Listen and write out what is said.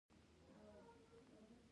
د کندهار د افغانستان پلازمېنه ده.